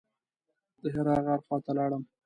د حرا غار خواته لاړم.